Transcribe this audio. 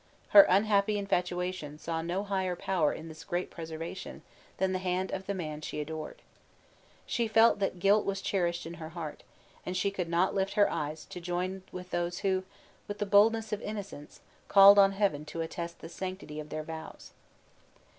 Her unhappy infatuation saw no higher power in this great preservation than the hand of the man she adored. She felt that guilt was cherished in her heart; and she could not lift her eyes to join with those who, with the boldness of innocence, called on Heaven to attest the sanctity of their vows.